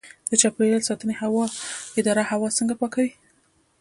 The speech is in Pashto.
د چاپیریال ساتنې اداره هوا څنګه پاکوي؟